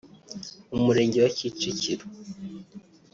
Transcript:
mu Murenge wa Kicukiro